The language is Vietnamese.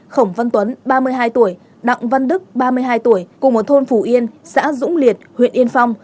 khổng văn tuấn ba mươi hai tuổi đặng văn đức ba mươi hai tuổi cùng ở thôn phủ yên xã dũng liệt huyện yên phong